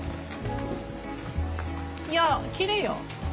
いやきれいよ。